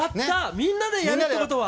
みんなでやるって事は？